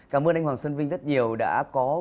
cảm ơn anh hoàng xuân vinh rất nhiều đã có